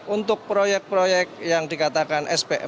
untuk proyek proyek yang dikatakan spm